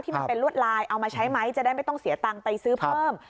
มันเป็นลวดลายเอามาใช้ไหมจะได้ไม่ต้องเสียตังค์ไปซื้อเพิ่ม